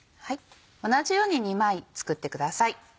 同じように２枚作ってください。